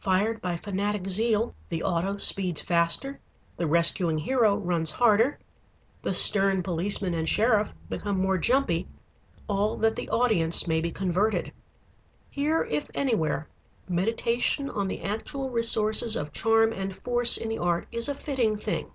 Fired by fanatic zeal, the auto speeds faster, the rescuing hero runs harder, the stern policeman and sheriff become more jumpy, all that the audience may be converted. Here if anywhere meditation on the actual resources of charm and force in the art is a fitting thing.